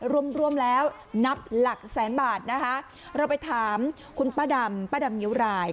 รวมรวมแล้วนับหลักแสนบาทนะคะเราไปถามคุณป้าดำป้าดำนิ้วราย